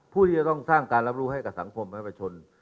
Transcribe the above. ผู้ที่จะต้องสร้างการรับรู้ให้กับสังคมและประชน